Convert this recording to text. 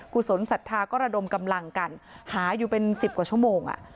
กุศลสัทธากรดมกำลังกันหาอยู่เป็นสิบกว่าชั่วโมงอ่ะ